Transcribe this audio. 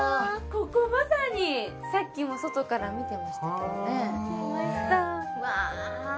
ここまさにさっきも外から見てましたけどねわあ